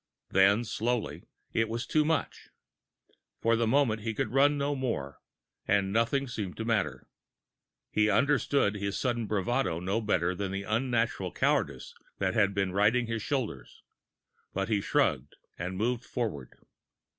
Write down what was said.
Then, slowly, it was too much. For the moment, he could run no more, and nothing seemed to matter. He understood his sudden bravado no better than the unnatural cowardice that had been riding his shoulders, but he shrugged, and moved forward.